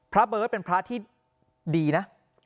พระเบิร์ตเป็นพระที่ดีนะ